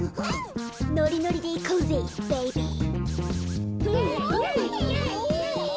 のりのりでいこうぜベイビー。